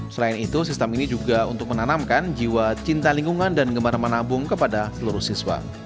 selain itu sistem ini juga untuk menanamkan jiwa cinta lingkungan dan gemar menabung kepada seluruh siswa